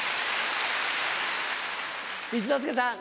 一之輔さん。